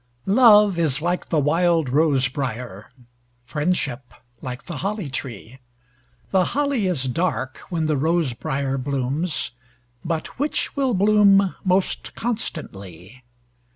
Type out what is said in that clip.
Love is like the wild rose briar; Friendship like the holly tree. The holly is dark when the rose briar blooms, But which will bloom most constantly?